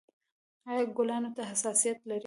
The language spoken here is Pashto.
ایا ګلانو ته حساسیت لرئ؟